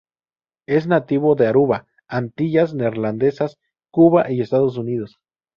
Es nativo de Aruba, Antillas Neerlandesas, Cuba y Estados Unidos.